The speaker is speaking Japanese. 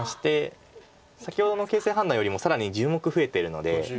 先ほどの形勢判断よりも更に１０目増えてるので。